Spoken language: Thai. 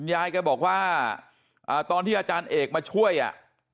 ยายแกบอกว่าตอนที่อาจารย์เอกมาช่วยอ่ะ